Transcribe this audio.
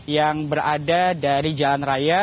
yang berada dari jalan raya